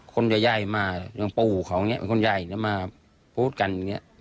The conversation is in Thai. คนยายมาอย่างปูเขาเนี่ยคนยายจะมาพูดกันอย่างเงี้ย